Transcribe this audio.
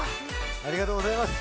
ありがとうございます。